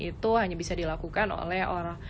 itu hanya bisa dilakukan oleh orang